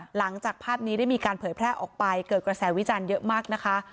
หลังจากภาพนี้ได้มีการเผยแพร่ออกไปเกิดกระแสวิจารณ์เยอะมากนะคะ